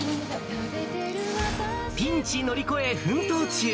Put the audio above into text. ピンチ乗り越え奮闘中！